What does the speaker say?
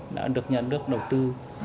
đã được nhà nước đầu tư